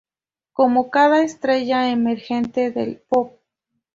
Como cada estrella emergente del pop.